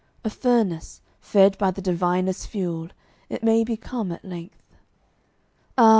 A furnace, fed by the divinest fuel, It may become at length. Ah!